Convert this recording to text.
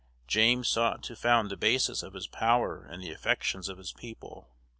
James sought to found the basis of his power in the affections of his people.